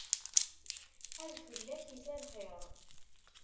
Ad fell-ak isal xiṛ.